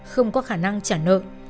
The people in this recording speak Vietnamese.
không có khả năng trả nợ